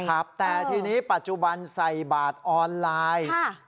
ครับแต่ทีนี้ปัจจุบันใส่บาทออนไลน์